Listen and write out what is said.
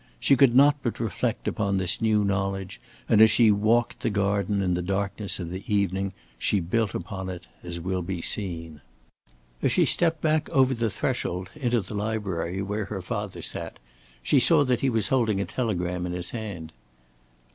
She could not but reflect upon this new knowledge, and as she walked the garden in the darkness of the evening, she built upon it, as will be seen. As she stepped back over the threshold into the library where her father sat, she saw that he was holding a telegram in his hand.